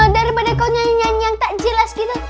dari pada kamu nyanyi nyanyi yang tak jelas gitu